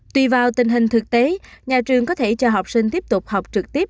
tùy vào tình hình thực tế nhà trường có thể cho học sinh tiếp tục học trực tiếp